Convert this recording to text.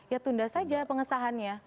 ya tunda saja pengesahannya